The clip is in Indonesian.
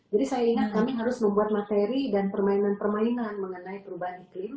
jadi saya ingat kami harus membuat materi dan permainan permainan mengenai perubahan iklim